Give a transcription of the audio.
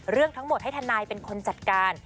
เรื่องทั้งหมดให้ทนายเป็นคนจัดการ